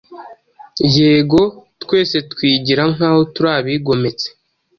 Yego, twese twigira nkaho turi abigometse